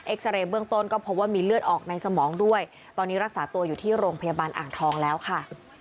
ซาเรย์เบื้องต้นก็พบว่ามีเลือดออกในสมองด้วยตอนนี้รักษาตัวอยู่ที่โรงพยาบาลอ่างทองแล้วค่ะ